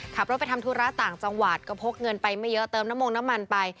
ขับรถไปทำธุระต่างจังหวัดก็พกเงินไปไม่เยอะเติมน้ำมงน้ำมันไป